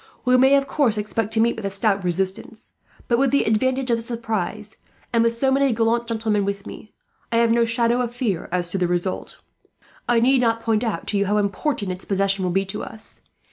We may, of course, expect to meet with a stout resistance but, with the advantage of a surprise, and with so many gallant gentlemen with me, I have no shadow of fear as to the result. I need not point out to you how important its possession will be to us.